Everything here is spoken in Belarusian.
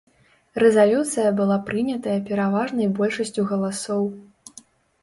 Рэзалюцыя была прынятая пераважнай большасцю галасоў.